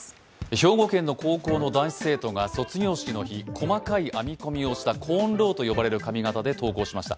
兵庫県の高校の男子生徒が、卒業式の日細かい編み込みをしたコーンロウと呼ばれる髪形で登校しました。